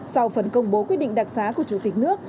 sau phấn công bố quyết định đặc xá của chủ tịch nước